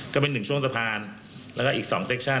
ก็เป็นหนึ่งช่วงสะพานแล้วก็อีก๒เซคชั่น